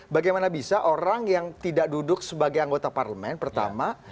bagaimana bisa orang yang tidak duduk sebagai anggota parlemen pertama